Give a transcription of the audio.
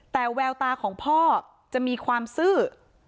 แต่แววตาของพ่อจะมีความซื่อ